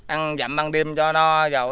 ăn dặm ăn đêm cho no